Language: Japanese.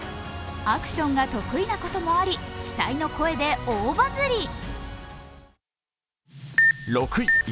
アクションが得意なこともあり期待の声で大バズり。